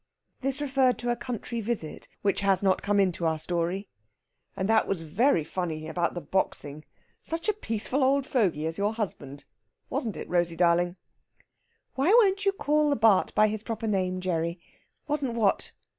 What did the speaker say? This referred to a country visit, which has not come into our story. "And that was very funny about the boxing. Such a peaceful old fogey as your husband! Wasn't it, Rosey darling?" "Why won't you call the Bart. by his proper name, Gerry? Wasn't what?"